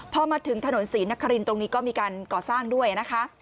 พอมาถึงถนนศรีนครินตรงนี้ก็มีการก่อสร้างด้วยนะคะ